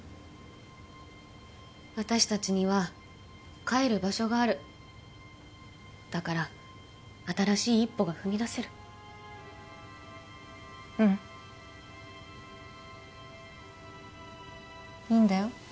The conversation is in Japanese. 私達には帰る場所があるだから新しい一歩が踏みだせるうんいいんだよ